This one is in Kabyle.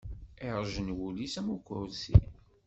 Iṛǧen wul-is, am ukurṣi.